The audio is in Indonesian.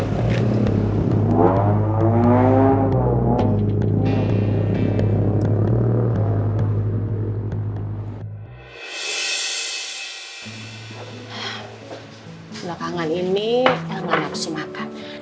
belakangan ini elma gak bisa makan